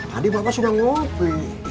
tadi bapak sudah ngopi